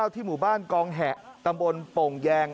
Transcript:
ที่หมู่บ้านกองแหะตำบลโป่งแยง